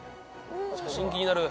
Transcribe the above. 写真気になる。